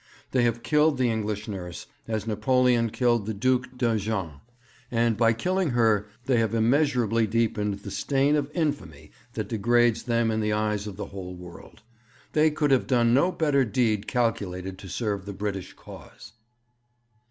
They have killed the English nurse, as Napoleon killed the Duc D'Enghien, and by killing her they have immeasurably deepened the stain of infamy that degrades them in the eyes of the whole world. They could have done no deed better calculated to serve the British cause.'